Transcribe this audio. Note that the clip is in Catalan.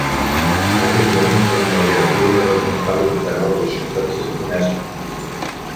En aquest moment, la cal·ligrafia era una part integral de la societat japonesa.